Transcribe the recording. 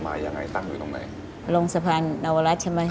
ยังไงตั้งอยู่ตรงไหนลงสะพานนวรัฐใช่ไหม